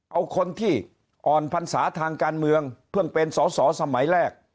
เอาคนที่อ่อนพรรษาทางการเมืองเพิ่งเป็นสอสอสมัยแรก